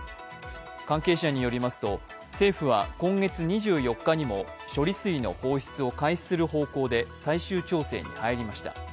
関係者によりますと政府は今月２４日にも処理水の放出を開始する方向で最終調整に入りました。